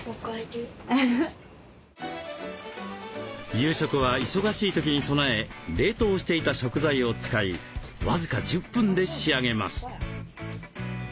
夕食は忙しい時に備え冷凍していた食材を使い僅か１０分で仕上げます。